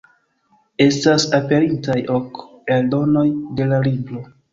Estas aperintaj ok eldonoj de la libro.